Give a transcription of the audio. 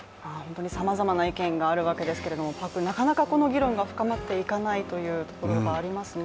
さまざまな意見があるわけですけれどもパックン、なかなかこの議論が深まっていかないというところがありますね。